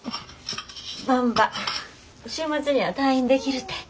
ばんば週末には退院できるて。